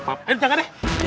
ayo jangan deh